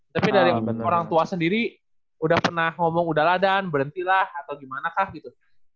tapi dari orang tua sendiri udah pernah ngomong udahlah dan berhenti lah atau gimana kah gitu